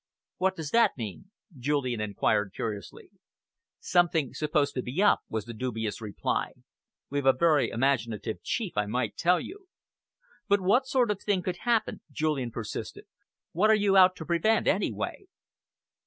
"What does that mean?" Julian enquired curiously. "Something supposed to be up," was the dubious reply. "We've a very imaginative chief, I might tell you." "But what sort of thing could happen?" Julian persisted. "What are you out to prevent, anyway?"